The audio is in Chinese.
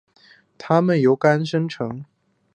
它们部分由肝生成。